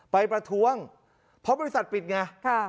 ประท้วงเพราะบริษัทปิดไง